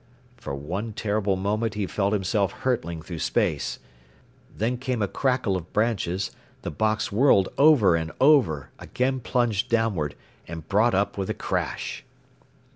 For one terrible moment he felt himself hurtling through space. Then came a crackle of branches, the box whirled over and over, again plunged downward, and brought up with a crash.